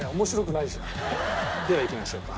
ではいきましょうか。